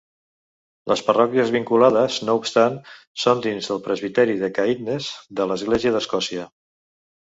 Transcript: Les parròquies vinculades, no obstant, són dins del Presbiteri de Caithness de l'Església d'Escòcia.